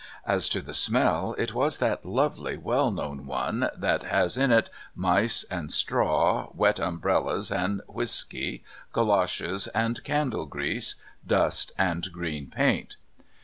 As to the smell, it was that lovely well known one that has in it mice and straw, wet umbrellas and whisky, goloshes and candle grease, dust and green paint!